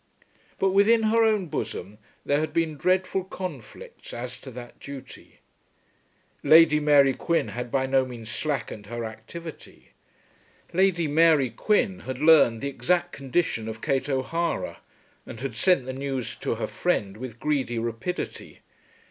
But within her own bosom there had been dreadful conflicts as to that duty. Lady Mary Quin had by no means slackened her activity. Lady Mary Quin had learned the exact condition of Kate O'Hara, and had sent the news to her friend with greedy rapidity.